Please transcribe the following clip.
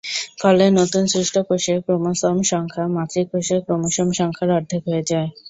ফলে নতুন সৃষ্ট কোষে ক্রোমোসোম সংখ্যা মাতৃকোষের ক্রোমোসোম সংখ্যার অর্ধেক হয়ে যায়।